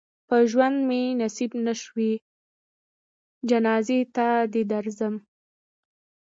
په ژوند مې نصیب نه شوې جنازې ته دې درځم.